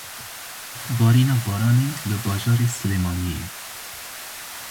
Barîna baranê li bajarê Silêmaniyê.